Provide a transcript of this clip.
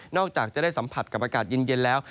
จากจะได้สัมผัสกับอากาศเย็นแล้ว